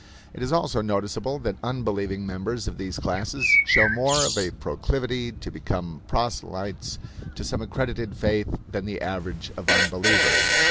It is also noticeable that unbelieving members of these classes show more of a proclivity to become proselytes to some accredited faith than the average of unbelievers.